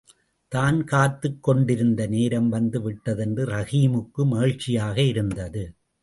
தான் காத்துக் கொண்டிருந்த நேரம்வந்து விட்டதென்று ரஹீமுக்கு மகிழ்ச்சியாக இருந்தது.